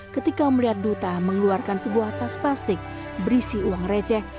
ketika melihat duta mengeluarkan sebuah tas plastik berisi uang receh